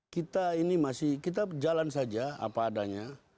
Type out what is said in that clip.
kita ini masih kita jalan saja apa adanya